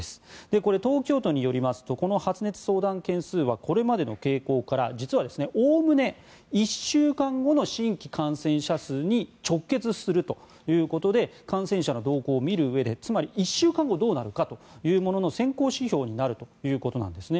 これ、東京都によりますとこの発熱相談件数はこれまでの傾向から実は、おおむね１週間後の新規感染者数に直結するということで感染者の動向を見るうえでつまり１週間後どうなるかを見る先行指標になるということなんですね。